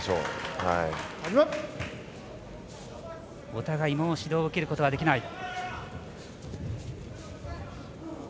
お互い、もう指導を受けることはできない。